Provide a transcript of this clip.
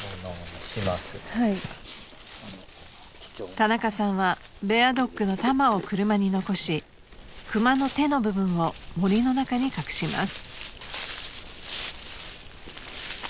［田中さんはベアドッグのタマを車に残しクマの手の部分を森の中に隠します］